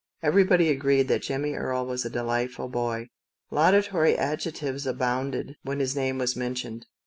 Every body agreed that Jimmie Erie was a delight ful boy. Laudatory adjectives abounded when his name was mentioned.